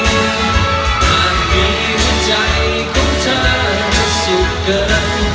หากมีหัวใจของเธอประสุทธิ์เกินพอ